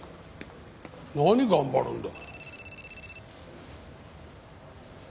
何頑張るんだ。